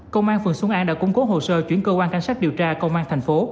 công an phường xuân an đã cung cố hồ sơ chuyển cơ quan cảnh sát điều tra công an thành phố